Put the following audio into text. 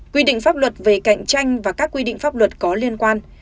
quy định pháp luật về cạnh tranh và các quy định pháp luật có liên quan